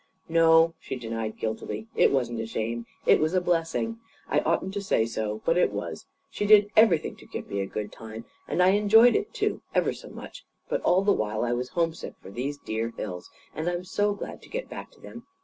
"No," she denied guiltily, "it wasn't a shame. It was a blessing. I oughtn't to say so, but it was. She did everything to give me a good time. And I enjoyed it, too, ever so much. But all the while I was homesick for these dear hills. And I'm so glad to get back to them!